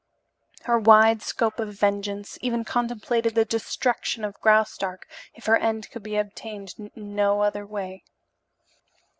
Her wide scope of vengeance even contemplated the destruction of Graustark if her end could be obtained in no other way.